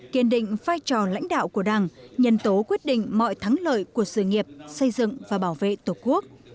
kiên định vai trò lãnh đạo của đảng nhân tố quyết định mọi thắng lợi của sự nghiệp xây dựng và bảo vệ tổ quốc